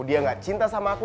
dia gak cinta sama aku